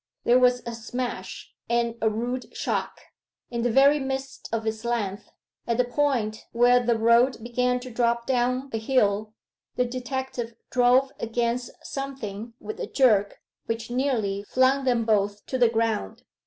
There was a smash; and a rude shock. In the very midst of its length, at the point where the road began to drop down a hill, the detective drove against something with a jerk which nearly flung them both to the ground.